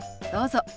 どうぞ。